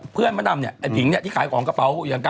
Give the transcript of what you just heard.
มะดำเนี่ยไอ้ผิงเนี่ยที่ขายของกระเป๋าอย่างกัน